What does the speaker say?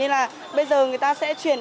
nên là bây giờ người ta sẽ chuyển